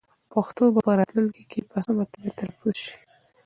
پښتو به په راتلونکي کې په سمه توګه تلفظ شي.